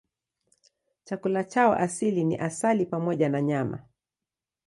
Chakula chao asili ni asali pamoja na nyama.